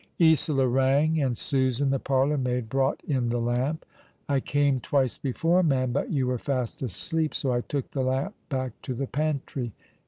Isola rang, and Susan, the parlourmaid, brought in the lamp. " I came twice before, ma'am ; but you were fast asleep, so I took the lamp back to the pantry."